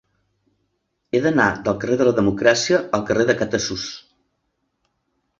He d'anar del carrer de la Democràcia al carrer de Catasús.